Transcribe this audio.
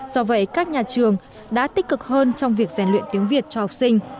do vậy các nhà trường đã tích cực hơn trong việc rèn luyện tiếng việt cho học sinh